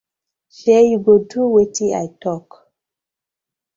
Shey yu go do wetin I tok.